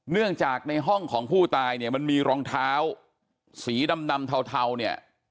เนื่องจากในห้องของผู้ตายเนี่ยมันมีรองเท้าสีดำเทาเนี่ย